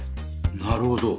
なるほど。